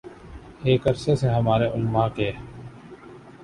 ایک عرصے سے ہمارے علما کے